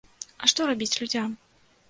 А што рабіць людзям?